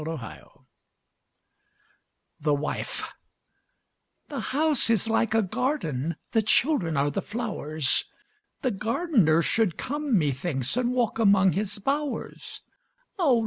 A HOLIDAY THE WIFE The house is like a garden, The children are the flowers, The gardener should come methinks And walk among his bowers, Oh!